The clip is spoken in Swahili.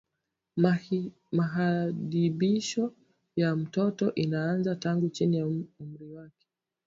Mahadibisho ya mtoto inaanzia tangu chini ya umri wake